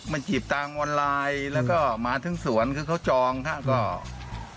มันจีบทางออนไลน์แล้วก็มาถึงสวนคือเขาจองครับ